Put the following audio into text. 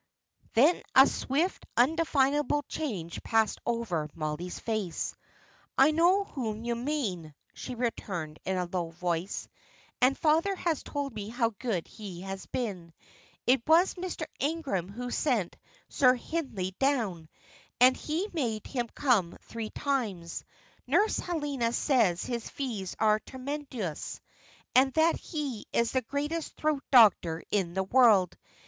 Then a swift, undefinable change passed over Mollie's face. "I know whom you mean," she returned in a low voice; "and father has told me how good he has been. It was Mr. Ingram who sent Sir Hindley down, and he made him come three times. Nurse Helena says his fees are tremendous, and that he is the greatest throat doctor in the world.